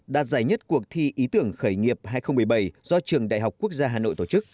đạt giải nhất cuộc thi ý tưởng khởi nghiệp hai nghìn một mươi bảy do trường đại học quốc gia hà nội tổ chức